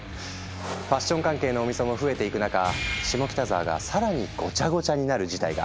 ファッション関係のお店も増えていく中下北沢が更にごちゃごちゃになる事態が。